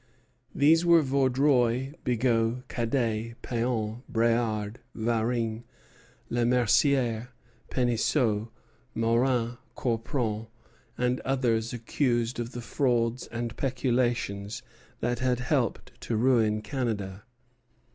These were Vaudreuil, Bigot, Cadet, Péan, Bréard, Varin, Le Mercier, Penisseault, Maurin, Corpron, and others accused of the frauds and peculations that had helped to ruin Canada.